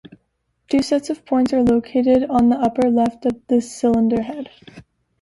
Two sets of points are located on the upper left of the cylinder head.